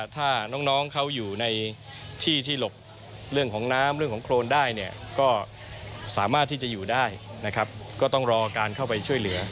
ทุกคนเอาใจช่วย